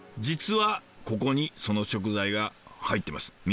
実はここにその食材が入ってます。